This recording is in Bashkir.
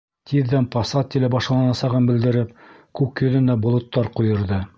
Тиҙҙән пассат еле башланасағын белдереп, күк йөҙөндә болоттар ҡуйырҙы.